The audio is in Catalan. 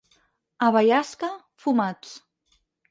A Baiasca, fumats.